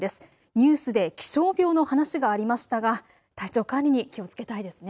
ニュースで気象病の話がありましたが体調管理に気をつけたいですね。